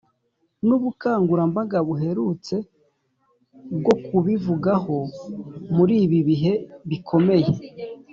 n’ubukangurambaga buherutse bwo kubivugaho muri ibi bihe bikomeye